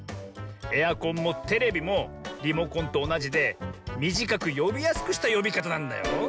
エアコンもテレビもリモコンとおなじでみじかくよびやすくしたよびかたなんだよ。